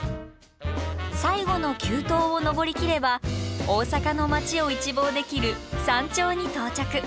最後の急登を登りきれば大阪の街を一望できる山頂に到着。